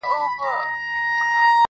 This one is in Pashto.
چي خپل دي راسي په وطن کي دي ښارونه سوځي٫